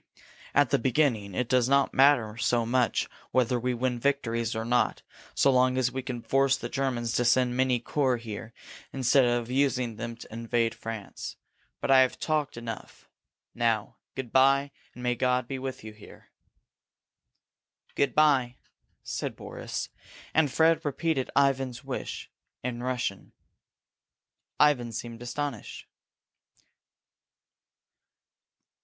At the beginning it does not matter so much whether we win victories or not, so long as we can force the Germans to send many corps here instead of using them to invade France. But I have talked enough. Now good bye, and may God be with you here!" "Good bye," said Boris, and Fred repeated Ivan's wish in Russian. Ivan seemed astonished.